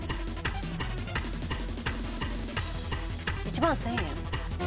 １万１，０００円？